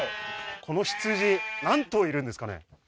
この羊何頭いるんですかね？